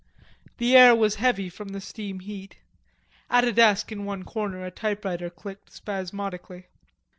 The air was heavy from the steam heat. At a desk in one corner a typewriter clicked spasmodically.